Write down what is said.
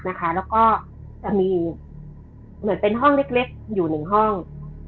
แล้วก็จะมีเหมือนเป็นห้องเล็กอยู่หนึ่งห้อง